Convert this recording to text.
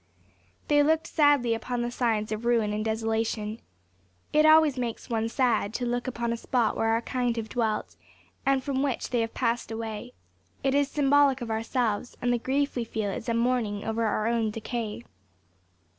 They looked sadly upon the signs of ruin and desolation. It always makes one sad to look upon a spot where our kind have dwelt, and from which they have passed away; it is symbolic of ourselves, and the grief we feel is a mourning over our own decay.